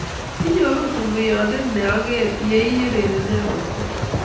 inyoru tunguyonde ne ang'er ye I ureren eng' robta